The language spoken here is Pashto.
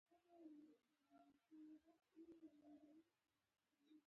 افغانستان تر هغو نه ابادیږي، ترڅو د ټرانزیټ له موقع څخه ګټه وانخیستل شي.